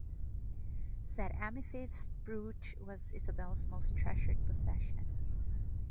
That amethyst brooch was Isabelle’s most treasured possession.